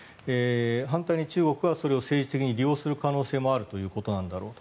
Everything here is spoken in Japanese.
反対に中国はそれを政治的に利用する可能性もあるということなんだろうと。